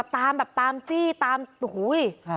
ตามจี้ตามหู้ย